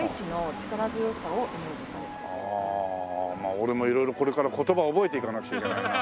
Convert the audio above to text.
俺も色々これから言葉を覚えていかなくちゃいけないな。